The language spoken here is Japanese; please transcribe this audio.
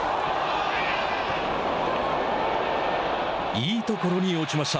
いいところに落ちました。